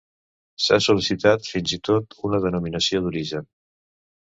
S'ha sol·licitat fins i tot una denominació d'origen.